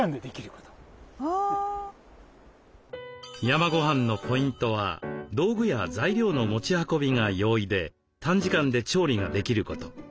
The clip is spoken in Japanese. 山ごはんのポイントは道具や材料の持ち運びが容易で短時間で調理ができること。